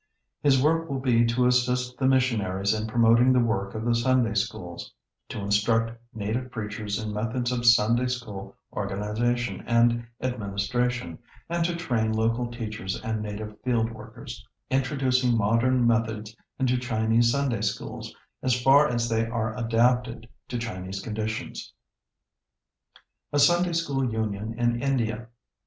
His work will be to assist the missionaries in promoting the work of the Sunday Schools, to instruct native preachers in methods of Sunday School organization and administration, and to train local teachers and native field workers, introducing modern methods into Chinese Sunday Schools as far as they are adapted to Chinese conditions. [Sidenote: A Sunday School Union in India.